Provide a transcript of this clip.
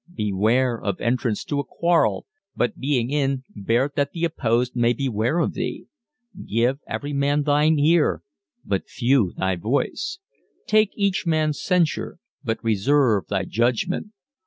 Beware Of entrance to a quarrel: but, being in, Bear't that the opposed may beware of thee. Give every man thine ear, but few thy voice: Take each man's censure, but reserve thy judgment.